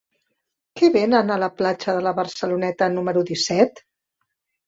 Què venen a la platja de la Barceloneta número disset?